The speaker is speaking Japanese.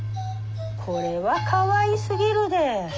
これはかわいすぎるで。